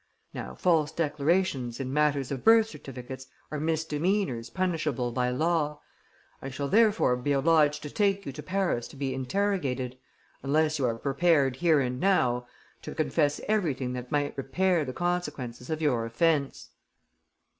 Now false declarations in matters of birth certificates are misdemeanours punishable by law. I shall therefore be obliged to take you to Paris to be interrogated ... unless you are prepared here and now to confess everything that might repair the consequences of your offence."